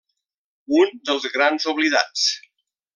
Un dels grans oblidats.